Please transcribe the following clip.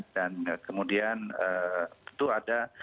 dan kemudian itu ada